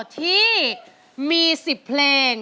ที่มี๑๐เพลง